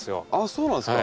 そうなんですか。